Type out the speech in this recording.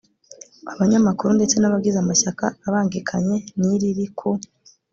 abanyamakuru, ndetse n'abagize amashyaka abangikanye n'iriri ku